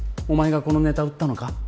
お前がこのネタ売ったのか？